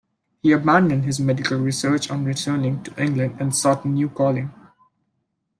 He abandoned his medical research on returning to England, and sought a new calling.